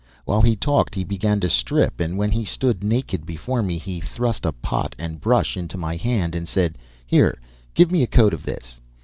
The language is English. While he talked he began to strip, and when he stood naked before me he thrust a pot and brush into my hand and said, "Here, give me a coat of this."